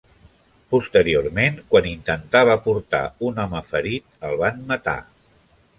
Posteriorment, quan intentava portar un home ferit el van matar.